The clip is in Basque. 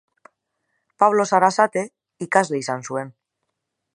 Pablo Sarasate ikasle izan zuen.